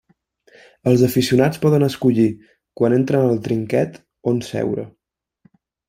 Els aficionats poden escollir, quan entren al trinquet, on seure.